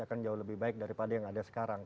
akan jauh lebih baik daripada yang ada sekarang